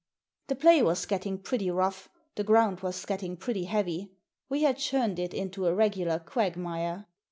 The play was getting pretty rough, the ground was getting pretty heavy. We had churned it into a regular quagmire.